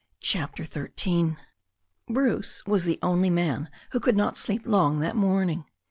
CHAPTER XIII BRUCE was the only man who could not sleep long that morning.